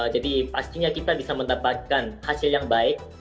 jadi pastinya kita bisa mendapatkan hasil yang baik